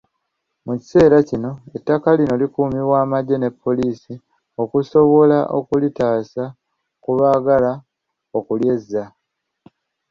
Mu kiseera kino, ettaka lino likuumibwa magye ne poliisi okusobola okulitaasa ku baagala okulyezza.